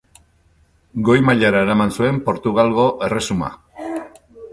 Goi mailara eraman zuen Portugalgo erresuma.